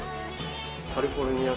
カリフォルニア州。